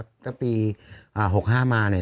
บอกว่าปีพอ๖๕มาเนี่ย